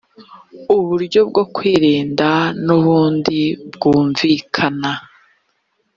uburyo bwo kwirinda n ubundi bwumvikane